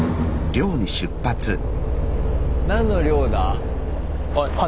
何の漁だ？